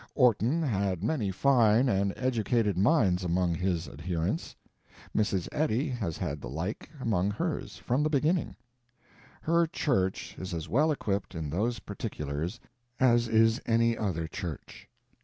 Orton had many fine and educated minds among his adherents, Mrs. Eddy has had the like among hers from the beginning. Her Church is as well equipped in those particulars as is any other Church.